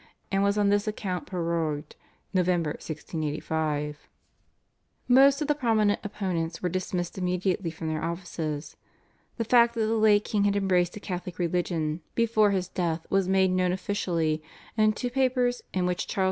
and was on this account prorogued (Nov. 1685). Most of the prominent opponents were dismissed immediately from their offices. The fact that the late king had embraced the Catholic religion before his death was made known officially, and two papers, in which Charles II.